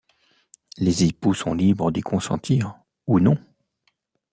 Les époux sont libres d'y consentir ou non.